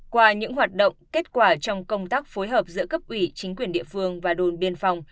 qua những hoạt động kết quả trong công tác phối hợp giữa cấp ủy chính quyền địa phương và đồn biên phòng